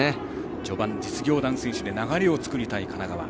序盤、実業団選手で流れを作りたい神奈川。